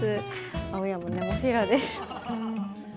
青山ネモフィラです。